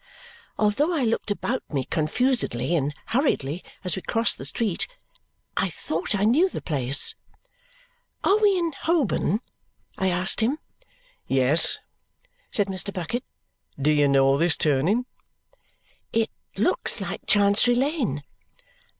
Although I looked about me confusedly and hurriedly as we crossed the street, I thought I knew the place. "Are we in Holborn?" I asked him. "Yes," said Mr. Bucket. "Do you know this turning?" "It looks like Chancery Lane."